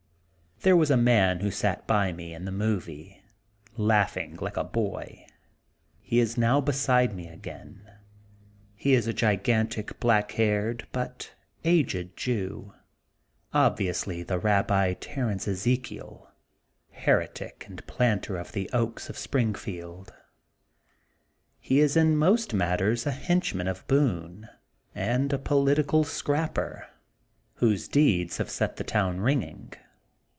'' There was a man who sat by me in the movie laughing like a boy. He isi now beside 108 THE GOLDEN BOOK OF SPRINGFIELD me again. He is a gigantic black haired but aged Jew, obviously the Babbi Terence Eze kiel, heretic, and planter of the Oaks of Springfield, He is in most matters a hench man of Boone and a political scrapper," whose deeds have set the town ringing.